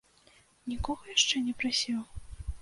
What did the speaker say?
Нікога яшчэ не прасіў?